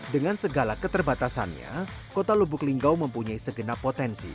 dengan segala keterbatasannya kota lubuk linggau mempunyai segenap potensi